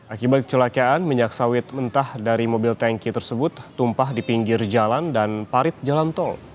akibat kecelakaan minyak sawit mentah dari mobil tanki tersebut tumpah di pinggir jalan dan parit jalan tol